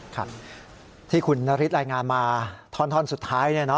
ครับที่คุณนฤทธิรายงานมาท่อนสุดท้าย